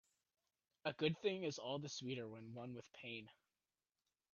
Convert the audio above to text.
A good thing is all the sweeter when won with pain.